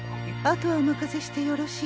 後はお任せしてよろしい？